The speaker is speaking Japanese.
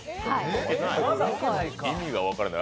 意味が分からない。